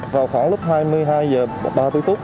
vào khoảng lúc hai mươi hai h ba mươi phút